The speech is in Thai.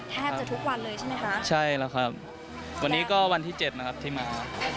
แทบจะทุกวันเลยใช่ไหมคะใช่แล้วครับวันนี้ก็วันที่เจ็ดนะครับที่มา